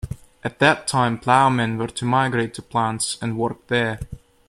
At that time ploughmen were to migrate to plants and work there.